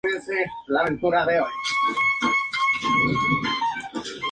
Tel es miembro fundador del grupo de música de computadora Maniacs of Noise.